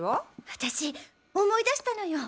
私思い出したのよ。